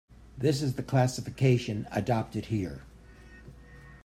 This is the classification adopted here.